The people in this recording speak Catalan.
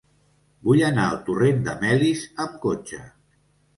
Vull anar al torrent de Melis amb cotxe.